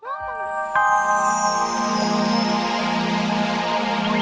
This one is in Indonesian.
darang banget teman teman